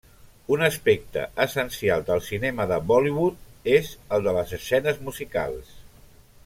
Un aspecte essencial del cinema de Bollywood és el de les escenes musicals.